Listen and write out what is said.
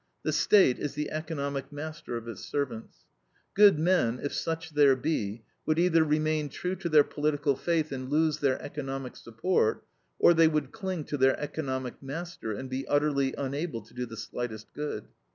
The State is the economic master of its servants. Good men, if such there be, would either remain true to their political faith and lose their economic support, or they would cling to their economic master and be utterly unable to do the slightest good.